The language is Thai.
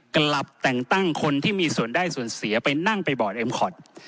กลับแต่งตั้งคนที่มีส่วนได้ส่วนเสียไปนั่งไปบอร์ดเอ็มคอต